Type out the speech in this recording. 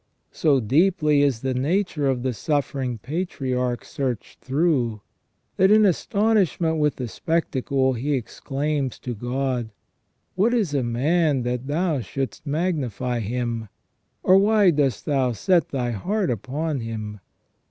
So deeply is the nature of the suffering patriarch searched through, that, in astonishment with the spectacle, he exclaims to God: "What is a man that Thou shouldst magnify him ? or why dost Thou set Thy heart upon him